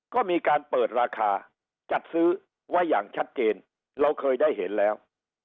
ก็มีการเปิดราคาจัดซื้อไว้อย่างชัดเจนเราเคยได้เห็นแล้ว